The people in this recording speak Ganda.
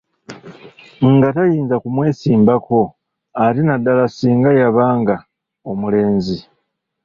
Nga tayinza kumwesimbako ate naddala singa yabanga omulenzi.